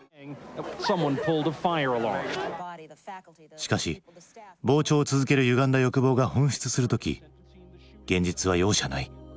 しかし膨張を続けるゆがんだ欲望が噴出する時現実は容赦ない。